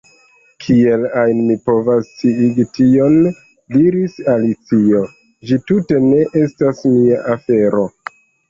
"Kiel ajn mi povas sciigi tion?" diris Alicio, "ĝi tute ne estas mia afero."